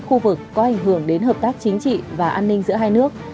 khu vực có ảnh hưởng đến hợp tác chính trị và an ninh giữa hai nước